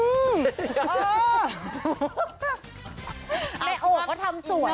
ไม่ออกเพราะทำสวยนะ